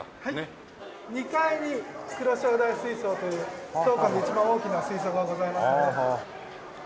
２階に黒潮大水槽という当館で一番大きな水槽がございますので。